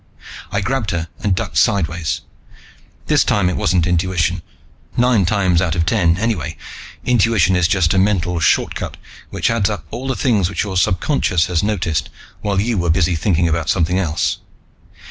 I grabbed her and ducked sideways. This time it wasn't intuition nine times out of ten, anyway, intuition is just a mental shortcut which adds up all the things which your subconscious has noticed while you were busy thinking about something else.